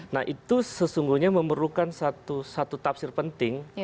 nah itu sesungguhnya memerlukan satu tafsir penting